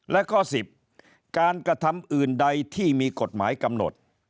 และข้อ๑๐การกระทำอื่นใดที่มีกฎหมายกำหนด